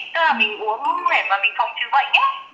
tức là mình uống để mà mình phòng chứ bệnh ấy